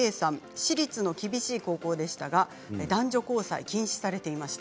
私立の厳しい高校でしたが男女交際を禁止されていました。